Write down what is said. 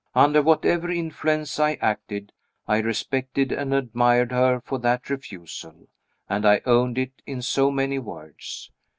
Under whatever influence I acted, I respected and admired her for that refusal, and I owned it in so many words.